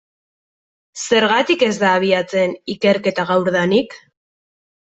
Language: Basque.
Zergatik ez da abiatzen ikerketa gaurdanik?